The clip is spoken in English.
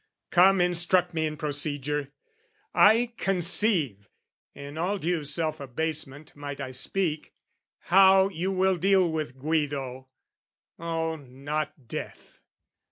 Come, Instruct me in procedure! I conceive In all due self abasement might I speak How you will deal with Guido: oh, not death!